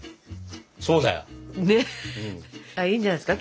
そうだよ。いいんじゃないですか？